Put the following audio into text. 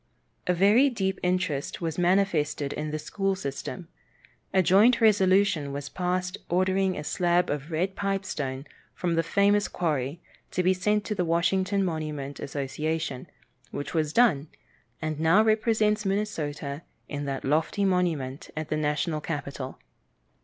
A very deep interest was manifested in the school system. A joint resolution was passed ordering a slab of red pipestone from the famous quarry to be sent to the Washington monument association, which was done, and now represents Minnesota in that lofty monument at the national capital.